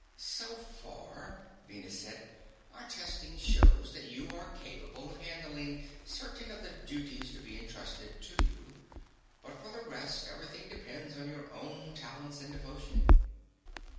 "So far," Venus said, "our testing shows that you are capable of handling certain of the duties to be entrusted to you. But, for the rest, everything depends on your own talents and devotion."